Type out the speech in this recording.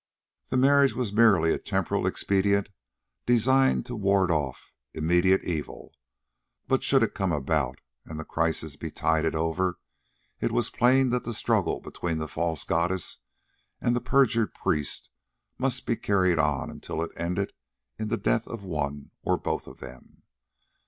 The marriage was merely a temporary expedient designed to ward off immediate evil, but should it come about and the crisis be tided over, it was plain that the struggle between the false goddess and the perjured priest must be carried on until it ended in the death of one or both of them.